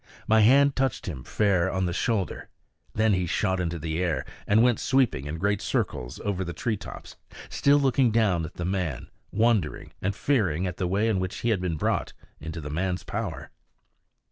My hand touched him fair on the shoulder; then he shot into the air, and went sweeping in great circles over the tree tops, still looking down at the man, wondering and fearing at the way in which he had been brought into the man's power.